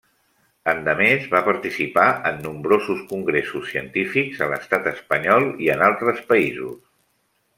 Endemés, va participar en nombrosos congressos científics a l'Estat espanyol i en altres països.